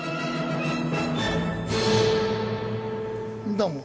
どうも。